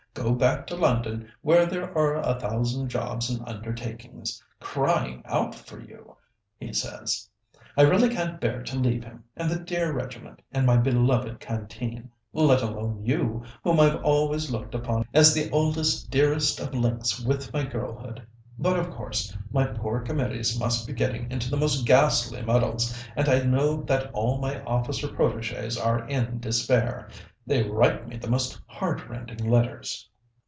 'Go back to London where there are a thousand jobs and undertakings crying out for you,' he says. I really can't bear to leave him, and the dear regiment, and my beloved Canteen, let alone you, whom I've always looked upon as the oldest, dearest of links with my girlhood. But, of course, my poor committees must be getting into the most ghastly muddles, and I know that all my officer protégés are in despair. They write me the most heartrending letters."